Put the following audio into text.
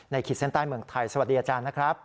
ขีดเส้นใต้เมืองไทยสวัสดีอาจารย์นะครับ